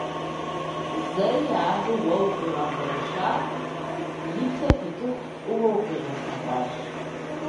Зэи абы уэ уигъэкъуэншакъым, и псэр пытыху фӀыуэ укъилъэгъуащ.